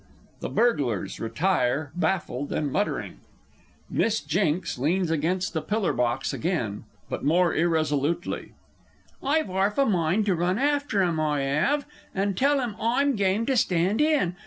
[The Burglars retire, baffled, and muttering. Miss J. leans against pillar box again but more irresolutely. I've arf a mind to run after 'em, I 'ave, and tell 'em I'm game to stand in!...